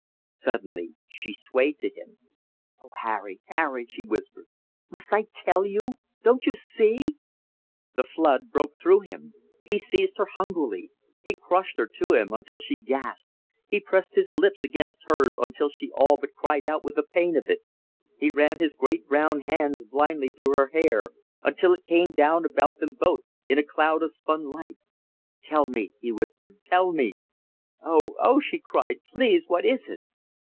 Suddenly she swayed to him. "Oh, Harry, Harry," she whispered, "must I TELL you? Don't you SEE?" The flood broke through him. He seized her hungrily. He crushed her to him until she gasped; he pressed his lips against hers until she all but cried out with the pain of it, he ran his great brown hands blindly through her hair until it came down about them both in a cloud of spun light. "Tell me!" he whispered. "Tell me!" "Oh! Oh!" she cried. "Please! What is it?"